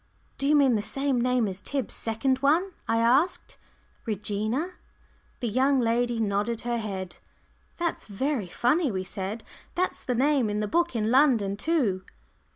"Do you mean the same name as Tib's second one?" I asked; "Regina?" The young lady nodded her head. "That's very funny," we said. "That's the name in the book in London too."